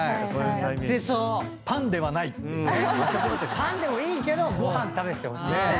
パンでもいいけどご飯食べててほしいよね。